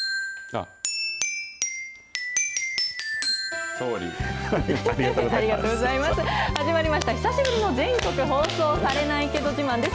ありがとうございました、始まりました、久しぶりの全国放送されないけど自慢です。